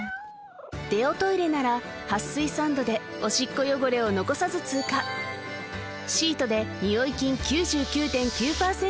デオトイレなら撥水サンドでオシッコ汚れを残さず通過シートでニオイ菌９９．９％